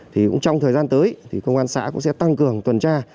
trong thời gian tới công an xã cũng sẽ tăng cường tuần tra